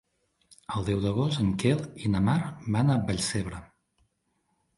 El deu d'agost en Quel i na Mar van a Vallcebre.